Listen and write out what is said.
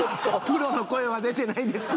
プロの声は出てないです。